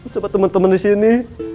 sama temen temen di sini